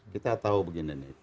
kita tahu begini nih